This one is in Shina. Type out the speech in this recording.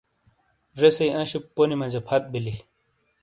زیسئی انشُپ پونی مجا پھت بیلی۔